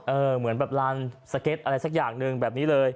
เหมือนแบบลานสเก็ตอะไรสักอย่างหนึ่งแบบนี้เลย